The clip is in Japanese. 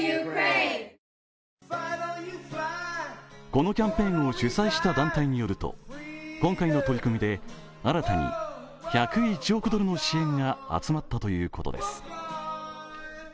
このキャンペーンを主催した団体によると、今回の取り組みで新たに１０１億ドルの支援が集まったということです。